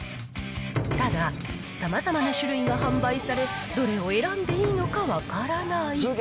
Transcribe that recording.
ただ、さまざまな種類が販売され、どれを選んでいいのか分からない。